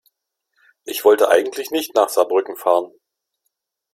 Ich wollte eigentlich nicht nach Saarbrücken fahren